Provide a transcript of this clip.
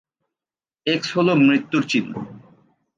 X হল মৃত্যুর চিহ্ন।